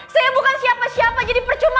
saya bukan siapa siapa jadi percuma